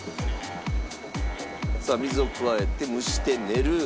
さあ水を加えて蒸して練る。